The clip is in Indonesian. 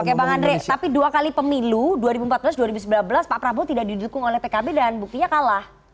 oke bang andre tapi dua kali pemilu dua ribu empat belas dua ribu sembilan belas pak prabowo tidak didukung oleh pkb dan buktinya kalah